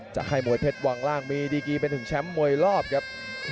จะให้มวยเพชรวางร่างมีดีกีเป็นถึงแชมป์มวยรอบครับ